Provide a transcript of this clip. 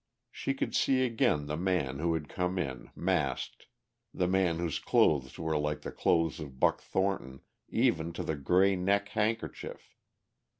She could see again the man who had come in, masked, the man whose clothes were like the clothes of Buck Thornton even to the grey neck handkerchief.